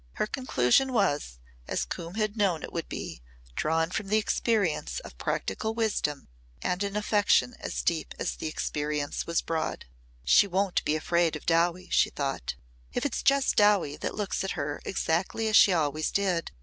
Her conclusion was, as Coombe had known it would be, drawn from the experience of practical wisdom and an affection as deep as the experience was broad. "She won't be afraid of Dowie," she thought, "if it's just Dowie that looks at her exactly as she always did.